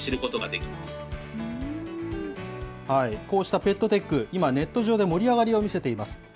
こうしたペットテック、今、ネット上で盛り上がりを見せているんです。